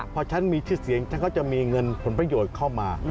พอฉันมีชื่อเสียงฉันก็จะมีเงินผลประโยชน์เข้ามา